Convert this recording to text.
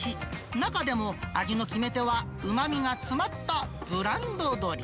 中でも、味の決め手はうまみが詰まったブランド鶏。